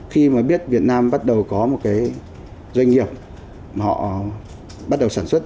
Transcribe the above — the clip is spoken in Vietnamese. khi mà biết việt nam bắt đầu có một cái doanh nghiệp mà họ bắt đầu sản xuất